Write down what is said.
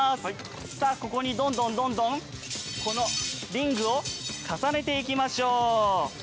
さあここにどんどんどんどんこのリングを重ねていきましょう。